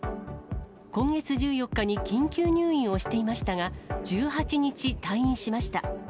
今月１４日に緊急入院をしていましたが、１８日、退院しました。